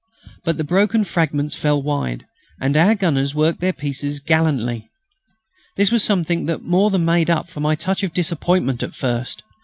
But the broken fragments fell wide, and our gunners worked their pieces gallantly. This was something that more than made up for my touch of disappointment at first.